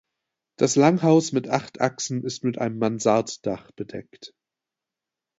Das Langhaus mit acht Achsen ist mit einem Mansarddach bedeckt.